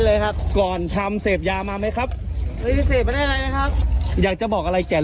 แล้วก็แยกคางอันแล้ว